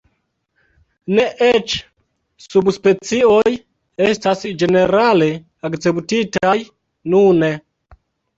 Ne eĉ subspecioj estas ĝenerale akceptitaj nune.